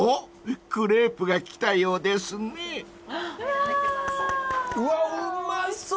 クレープが来たようですね］